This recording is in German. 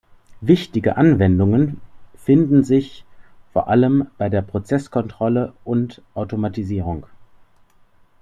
Wichtige Anwendungen finden sich vor allem bei der Prozesskontrolle und Automatisierung.